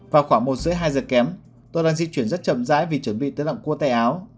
vào khoảng một h ba mươi hai giờ kém tôi đang di chuyển rất chậm dãi vì chuẩn bị tới lặng cua tay áo